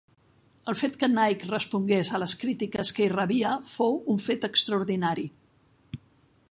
El fet que Nike respongués a les crítiques que hi rebia fou un fet extraordinari.